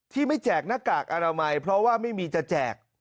ที่ไม่แจกหน้ากากอนามัยเพราะว่าไม่มีจะแจก